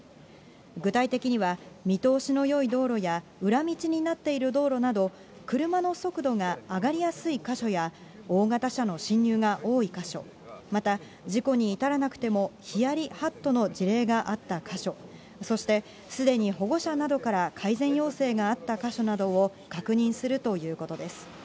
具体的には見通しのよい道路や、裏道になっている道路など、車の速度が上がりやすい箇所や、大型車の進入が多い箇所、また事故に至らなくても、ヒヤリハットの事例があった箇所、そして、すでに保護者などから改善要請があった箇所などを確認するということです。